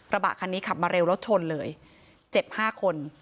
บะคันนี้ขับมาเร็วแล้วชนเลยเจ็บ๕คน